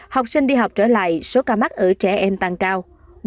học sinh đi học trở lại số ca mắc ở trẻ em tăng cao